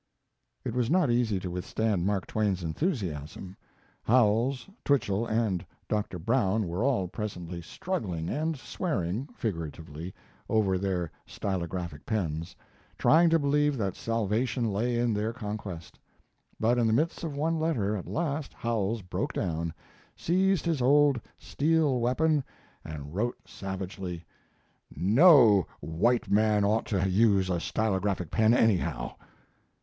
It was not easy to withstand Mark Twain's enthusiasm. Howells, Twichell, and Dr. Brown were all presently struggling and swearing (figuratively) over their stylographic pens, trying to believe that salvation lay in their conquest. But in the midst of one letter, at last, Howells broke down, seized his old steel weapon, and wrote savagely: "No white man ought to use a stylographic pen, anyhow!"